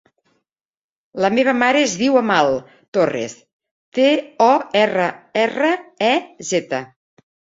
La meva mare es diu Amal Torrez: te, o, erra, erra, e, zeta.